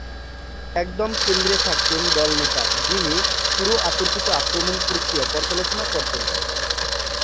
একদম কেন্দ্রে থাকতেন দলনেতা যিনি পুরো অতর্কিত আক্রমণ প্রক্রিয়া পর্যালোচনা করতেন।